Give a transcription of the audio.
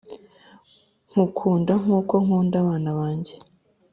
Nkukunda nkuko nkunda abana banjye